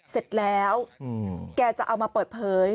เสร็จแล้วแกจะเอามาเปิดเผย